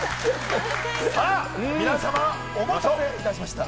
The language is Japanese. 皆さまお待たせいたしました。